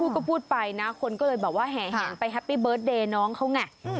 ก็พูดไปนะคนก็เลยแบบว่าแห่แหนไปแฮปปี้เบิร์ตเดย์น้องเขาไง